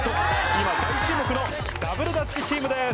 今大注目のダブルダッチチームです！